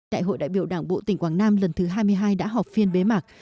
đại hội đại biểu đảng bộ tỉnh quảng nam lần thứ hai mươi hai đã họp phiên bế mạc